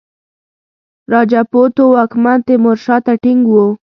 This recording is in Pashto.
راجپوتو واکمن تیمورشاه ته ټینګ وو.